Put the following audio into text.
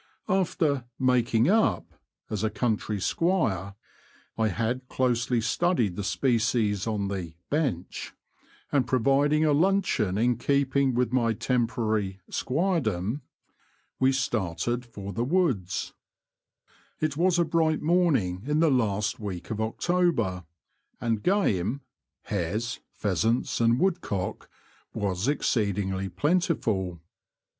After '' making up " as a country squire — (I had closely studied the species on the ''Bench,") — and providing a luncheon in keeping with my temporary *' squiredom," we started for the K2 138 The Confessions of a T^oacher. woods. It was a bright morning in the last week of October, and game — hares, pheasants,, and woodcock — was exceedingly plentiful.